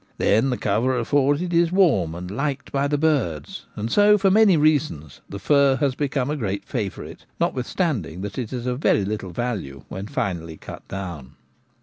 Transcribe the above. Then the cover afforded is warm and liked by the K 2 132 TJie Gamekeeper at Home. birds ; and so for many reasons the fir has become a great favourite, notwithstanding that it is of very little value when finally cut down.